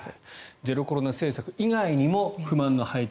ゼロコロナ政策以外にも不満の背景